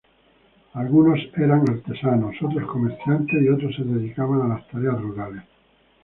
Algunos eran artesanos, otros comerciantes y otros se dedicaban a las tareas rurales.